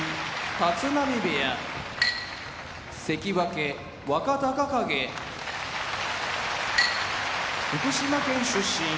立浪部屋関脇・若隆景福島県出身